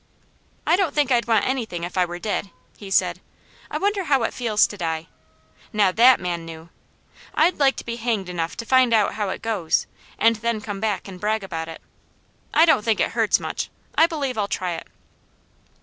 "I don't think I'd want anything if I were dead," he said. "I wonder how it feels to die. Now THAT man knew. I'd like to be hanged enough to find out how it goes, and then come back, and brag about it. I don't think it hurts much; I believe I'll try it."